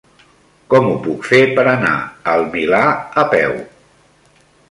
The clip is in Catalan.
Com ho puc fer per anar al Milà a peu?